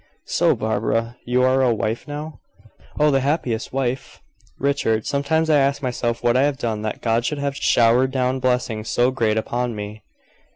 "So Barbara, you are a wife now?" "Oh, the happiest wife! Richard, sometimes I ask myself what I have done that God should have showered down blessings so great upon me.